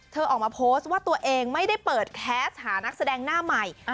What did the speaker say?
ออกมาโพสต์ว่าตัวเองไม่ได้เปิดแคสหานักแสดงหน้าใหม่